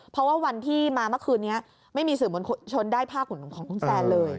เพราะว่าวันที่มาเมื่อคืนนี้ไม่มีสื่อมวลชนได้ภาพของคุณแซนเลย